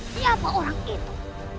siapa orang itu